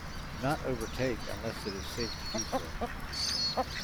Do not overtake unless it is safe to do so.